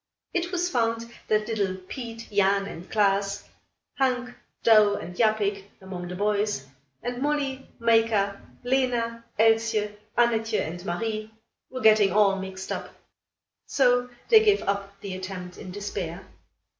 It was found that little Piet, Jan and Klaas, Hank, Douw and Japik, among the boys; and Molly, Mayka, Lena, Elsje, Annatje and Marie were getting all mixed up. So they gave up the attempt in despair.